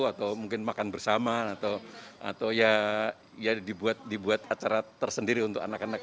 atau mungkin makan bersama atau ya dibuat acara tersendiri untuk anak anak